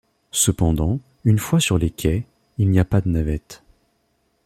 Cependant, une fois sur les quais, il n'y a pas de navette.